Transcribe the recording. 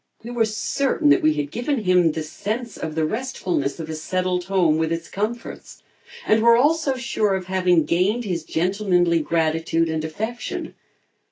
We were certain that we had given him the sense of the restfulness of a settled home with its comforts, and were also sure of having gained his gentlemanly gratitude and affection.